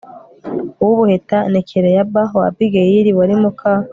uw ubuheta ni kileyaba wa abigayili wari muka